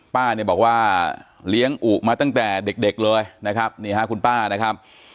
ป้าเนี่ยบอกว่าเลี้ยงอุมาตั้งแต่เด็กเลยนะครับนี่ฮะคุณป้านะครับ